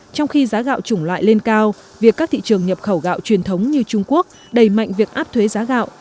trong khi giá gạo chủng loại lên cao việc các thị trường nhập khẩu gạo truyền thống như trung quốc đẩy mạnh việc áp thuế giá gạo